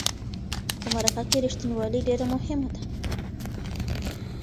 په مرکه کې رښتینولي ډیره مهمه ده.